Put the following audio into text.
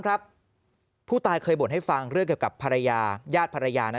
ครับผู้ตายเคยบ่นให้ฟังเรื่องเกี่ยวกับภรรยาญาติภรรยานะ